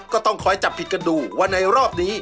ก็ต้องคอยจับผิดกันดูว่าในรอบนี้